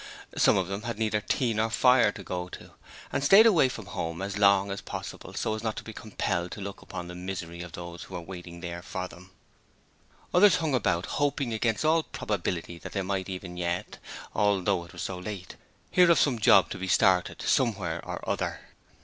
Some of them had neither tea nor fire to go to, and stayed away from home as long as possible so as not to be compelled to look upon the misery of those who were waiting for them there. Others hung about hoping against all probability that they might even yet although it was so late hear of some job to be started somewhere or other.